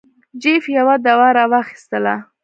جیف یوه دوا را واخیستله.